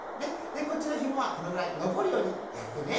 こっちのひもはこのぐらいのこるようにやってね。